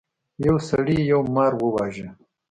یو سړي یو مار وواژه.